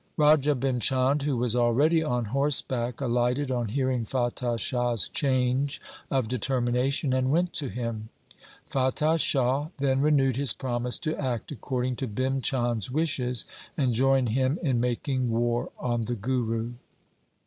Raja Bhim Chand, who was already on horseback, alighted on hearing Fatah Shah's change of determination and went to him. Fatah Shah then renewed his promise to act according to Bhim Chand' s wishes and join him in making war on the Guru.